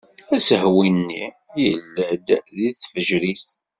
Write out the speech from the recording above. Asehwu-nni yella-d deg tfejrit.